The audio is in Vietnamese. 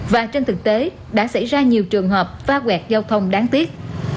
và trên thực tế đã xảy ra nhiều trường hợp va quẹt giao thông đáng tiếc